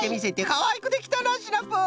かわいくできたなシナプー。